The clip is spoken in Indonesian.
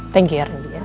thank you ren